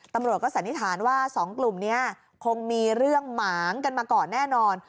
ตำรวจก็สันนิษฐานว่าสองกลุ่มนี้คงมีเรื่องหมางกันมาก่อนแน่นอน